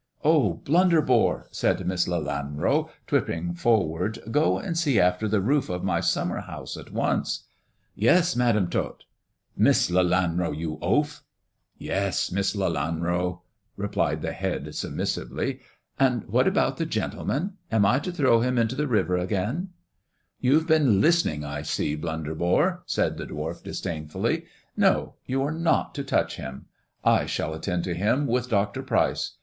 " Oh, Blunderbore," said Miss Lelanro, tripping forward, *' go and see after the roof of my summer house at once." 32 THE dwarf's chamber " Yes, Madam Tot "" Miss Lelanro, you oaf I "" Yes, Miss Lelanro," replied the head submissiveh " and what about the gentleman 1 Am I to throw hi into the river again 1" " You've been listening, I see, Blunderbore," said tl dwarf disdainfully. " No, you are not to touch him. shall attend to him with Dr. Pryce.